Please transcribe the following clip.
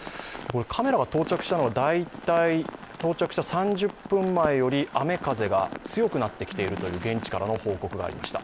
カメラが到着した大体３０分前より雨風が強くなっているという現地からの報告がありました